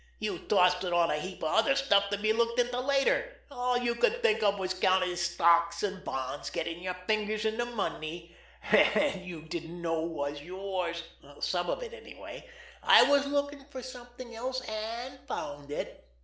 You tossed it on a heap of other stuff to be looked into later—all you could think of was counting stocks and bonds, getting your fingers into money—that you didn't know was yours—some of it, anyway! I was looking for something else—and found it.